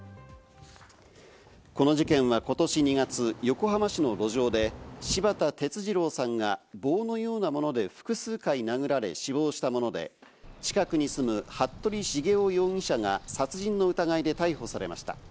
この事件はことし２月、横浜市の路上で柴田哲二郎さんが棒のようなもので複数回殴られ死亡したもので、近くに住む服部繁雄容疑者が殺人の疑いで逮捕されました。